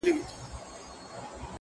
زه سجدې ته وم راغلی تا پخپله یم شړلی؛